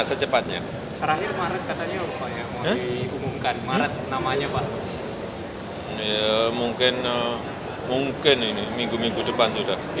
serahir maret katanya pak yang mau diumumkan maret namanya pak